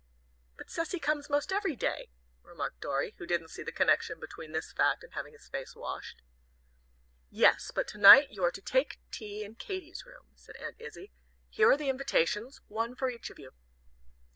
"But Cecy comes most every day," remarked Dorry, who didn't see the connection between this fact and having his face washed. "Yes but to night you are to take tea in Katy's room," said Aunt Izzie; "here are the invitations: one for each of you."